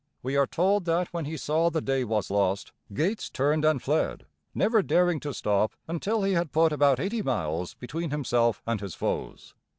We are told that when he saw the day was lost, Gates turned and fled, never daring to stop until he had put about eighty miles between himself and his foes.